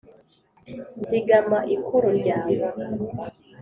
nzigama ikoro ryawe